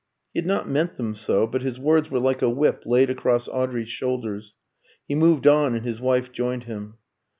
He had not meant them so, but his words were like a whip laid across Audrey's shoulders. He moved on, and his wife joined him.